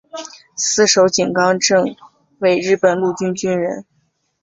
四手井纲正为日本陆军军人。